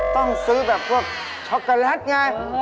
ต้องซื้อแบบพวกช็อกโกแลตไง